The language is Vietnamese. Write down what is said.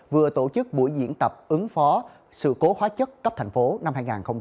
vừa tổ chức buổi diễn tập ứng phó sự cố hóa chất cấp thành phố năm hai nghìn hai mươi